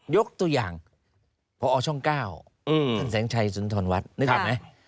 ยกตัวอย่างพอช่อง๙ท่านแสงชัยสุนทรวัฒน์นึกออกไหม